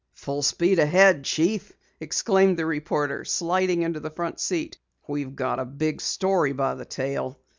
"Full speed ahead, Chief!" exclaimed the reporter, sliding into the front seat. "We've got a big story by the tail!"